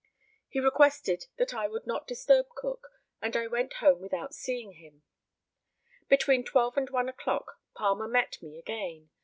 He requested that I would not disturb Cook, and I went home without seeing him. Between twelve and one o'clock Palmer met me again.